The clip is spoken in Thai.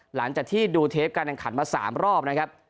หลังจากที่ดูเทปการแข่งขันมา๓รอบนะครับ